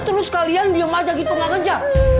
terus kalian diam aja gitu gak kejar